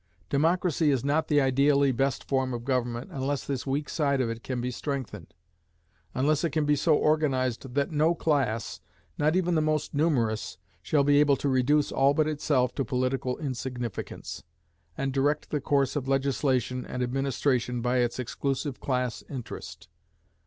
Democracy is not the ideally best form of government unless this weak side of it can be strengthened; unless it can be so organized that no class, not even the most numerous, shall be able to reduce all but itself to political insignificance, and direct the course of legislation and administration by its exclusive class interest.